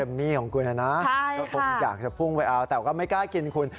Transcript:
มี่ของคุณนะก็คงอยากจะพุ่งไปเอาแต่ก็ไม่กล้ากินคุณ